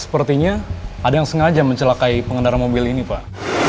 sepertinya ada yang sengaja mencelakai pengendara mobil ini pak